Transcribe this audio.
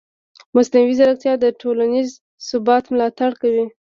مصنوعي ځیرکتیا د ټولنیز ثبات ملاتړ کوي.